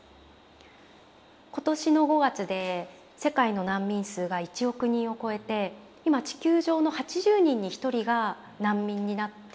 今年の５月で世界の難民数が１億人を超えて今地球上の８０人に１人が難民になってますよね。